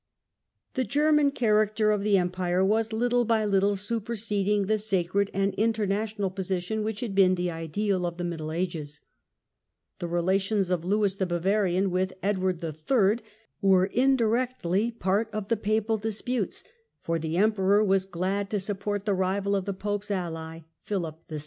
The German character of the GERMANY AND THE EMPIRE, 1273 1378 19 Empire was little by little superseding the sacred and international position which had been the ideal of the Middle Ages. The relations of Lewis the Bavarian with Edward Reiatious between III. were mdu'ectly part of the Papal disputes, for the Lewis and Emperor was glad to support the rival of the Pope's ally m^^^ Phihp VI.